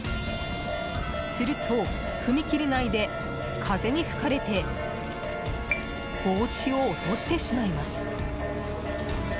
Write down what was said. すると、踏切内で風に吹かれて帽子を落としてしまいます。